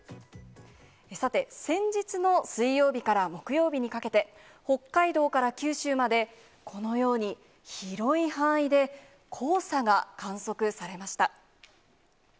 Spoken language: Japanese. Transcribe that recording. さて、先日の水曜日から木曜日にかけて、北海道から九州まで、このように広い範囲で、黄砂が観測されました。